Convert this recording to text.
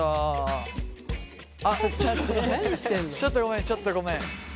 ちょっとごめんちょっとごめん。